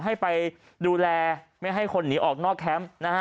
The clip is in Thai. ให้ไปดูแลไม่ให้คนหนีออกนอกแคมป์นะฮะ